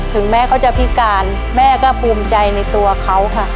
ถึงแม้เขาจะพิการแม่ก็ภูมิใจในตัวเขาค่ะ